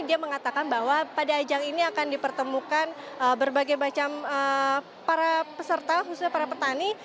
dia mengatakan bahwa pada ajang ini akan dipertemukan berbagai macam para peserta khususnya para petani